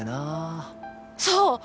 そう！